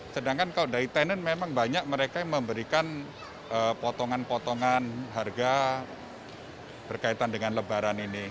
sedangkan kalau dari tenan memang banyak mereka yang memberikan potongan potongan harga berkaitan dengan lebaran ini